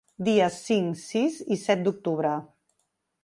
Dies cinc, sis i set d’octubre.